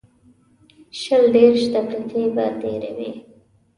شل دېرش دقیقې به تېرې وې.